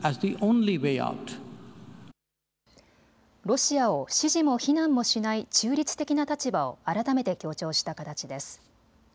ロシアを支持も非難もしない中立的な立場を改めて強調した形です。